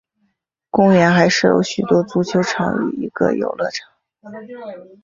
公园还设有许多足球场与一个游乐场。